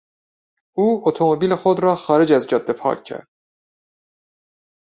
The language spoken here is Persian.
او اتومبیل خود را خارج از جاده پارک کرد.